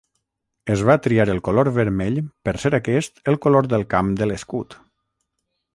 Es va triar el color vermell per ser aquest el color del camp de l'escut.